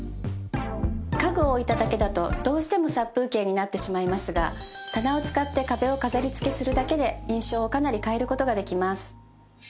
家具を置いただけだとどうしても殺風景になってしまいますが棚を使って壁を飾り付けするだけで印象をかなり変えることができます。